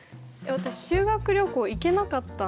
私修学旅行行けなかったんですよ